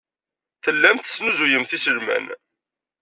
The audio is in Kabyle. Tellamt tesnuzuyemt iselman.